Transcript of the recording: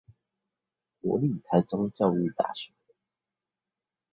國立臺中教育大學